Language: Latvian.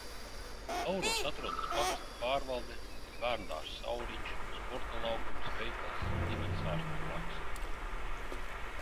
"Auros atrodas pagasta pārvalde, bērnudārzs "Auriņš", sporta laukums, veikals, ģimenes ārsta prakse."